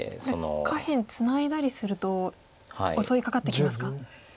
下辺ツナいだりすると襲いかかってきますか？